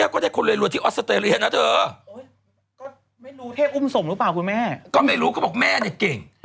ก็ไม่รู้ก็บอกแม่นี้เก่ง